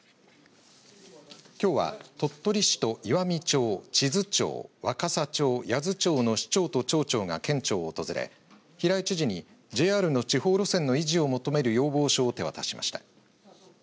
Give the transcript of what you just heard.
きょうは、鳥取市と岩美町智頭町、若桜町、八頭町の市長と町長が県庁を訪れ平井知事にＪＲの地方路線の維持を求める要望書を手渡しました。